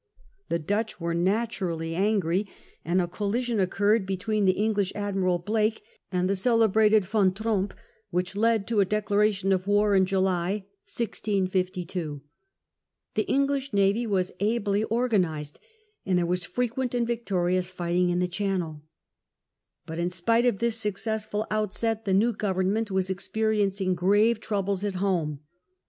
The Dutch were naturally angry, and a collision occurred be CROMWELL SUPREME. 63 tween the English admiral Blake and the celebrated Van Tromp, which led to a declaration of war in July, 1652. The English navy was ably organized, and there was fre quent and victorious fighting in the Channel But in spite of this successful outset the new govern ment was experiencing grave troubles at home.